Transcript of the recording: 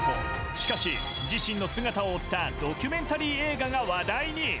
しかし、自身の姿を追ったドキュメンタリー映画が話題に。